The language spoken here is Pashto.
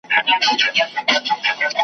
زرین پریشان